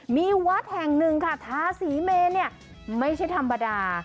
มีวัดแห่งหนึ่งค่ะทาสีเมนเนี่ยไม่ใช่ธรรมดา